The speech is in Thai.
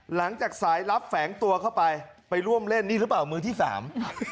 หลังจากสายลับแฝงตัวเข้าไปไปร่วมเล่นนี่หรือเปล่ามือที่สาม